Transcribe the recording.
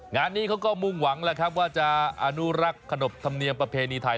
งานนี้เขาก็มุ่งหวังแล้วครับว่าจะอนุรักษ์ขนบธรรมเนียมประเพณีไทย